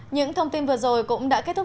những thông tin vừa rồi cũng đã kết thúc